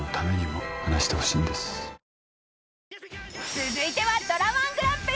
［続いてはドラ−１グランプリ。